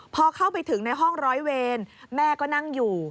พอเข้าไปถึงในห้องร้อยเวรแม่ก็นั่งอยู่